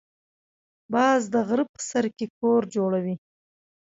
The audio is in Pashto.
باز د غره په سر کې کور جوړوي